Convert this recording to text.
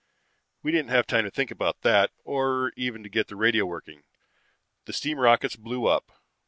"We didn't have time to think about that, or even to get the radio working. The steam rockets blew up.